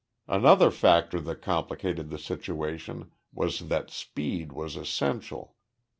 Another factor that complicated the situation was that speed was essential.